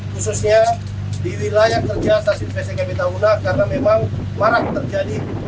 khususnya di wilayah kerja stasiun psdkp tahuna karena memang marah terjadi